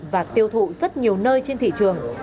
và tiêu thụ rất nhiều nơi trên thị trường